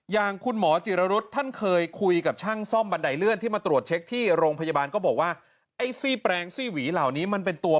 อย่างคุณหมอจิรารุษท่านเคยคุยกับช่างซ่อมบันไดเลื่อน